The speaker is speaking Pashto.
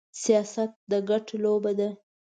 سياست د ګټو لوبه ده.